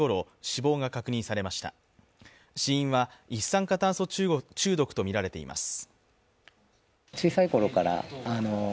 死因は一酸化炭素中毒とみられています。